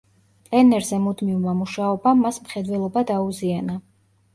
პლენერზე მუდმივმა მუშაობამ მას მხედველობა დაუზიანა.